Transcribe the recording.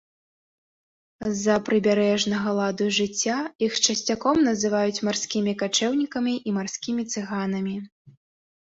З-за прыбярэжнага ладу жыцця іх часцяком называюць марскімі качэўнікамі і марскімі цыганамі.